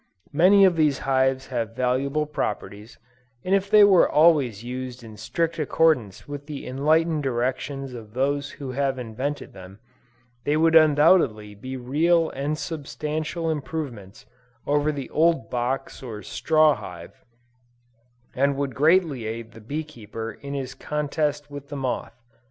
Many of these hives have valuable properties, and if they were always used in strict accordance with the enlightened directions of those who have invented them, they would undoubtedly be real and substantial improvements over the old box or straw hive, and would greatly aid the bee keeper in his contest with the moth.